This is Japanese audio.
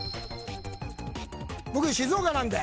僕静岡なんで。